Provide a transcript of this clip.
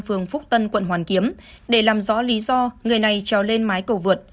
phường phúc tân quận hoàn kiếm để làm rõ lý do người này trèo lên mái cầu vượt